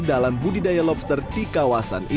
dalam budidaya lobster ini